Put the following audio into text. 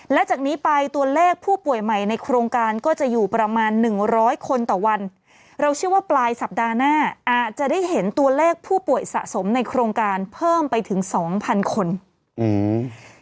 และจากนี้ไปตัวเลขผู้ป่วยใหม่ในโครงการก็จะอยู่ประมาณหนึ่งร้อยคนต่อวันเราเชื่อว่าปลายสัปดาห์หน้าอาจจะได้เห็นตัวเลขผู้ป่วยสะสมในโครงการเพิ่มไปถึงสองพันคนอืม